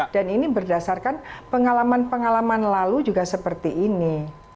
dan ini berdasarkan pengalaman pengalaman lalu juga seperti ini